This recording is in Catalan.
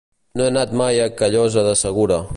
No he anat mai a Callosa de Segura.